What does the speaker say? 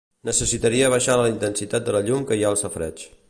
Necessitaria abaixar la intensitat de la llum que hi ha al safareig.